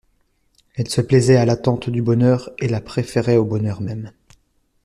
Elle se plaisait à l'attente du bonheur, et la préférait au bonheur même.